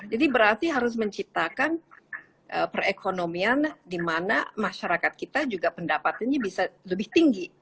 jadi berarti harus menciptakan perekonomian di mana masyarakat kita juga pendapatannya bisa lebih tinggi